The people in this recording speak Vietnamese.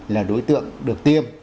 là đối tượng được tiêm